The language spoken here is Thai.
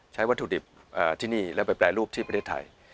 วัตถุดิบที่นี่แล้วไปแปรรูปที่ประเทศไทย